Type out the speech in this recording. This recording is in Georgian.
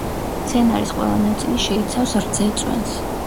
მცენარის ყველა ნაწილი შეიცავს რძეწვენს.